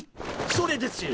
それですよ。